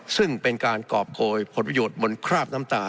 ซึ่งเป็นการกรอบโกยผลประโยชน์บนคราบน้ำตา